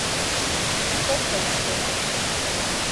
— Коктын ыштена.